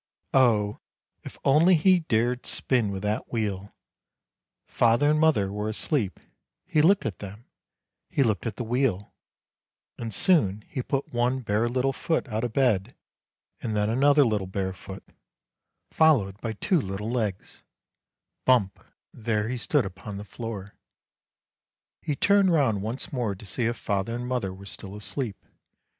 Oh, if only he dared spin with that wheel; father and mother were asleep; he looked at them, he looked at the wheel, and soon he put one bare little foot out of bed, and then another little bare foot followed by two little legs — bump, there he stood upon the floor. He turned round once more to see if father and mother were still asleep.